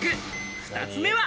２つ目は。